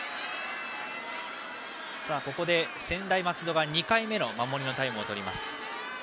ここで専大松戸が２回目の守りのタイムをとります。